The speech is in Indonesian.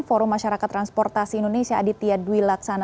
forum masyarakat transportasi indonesia aditya dwi laksana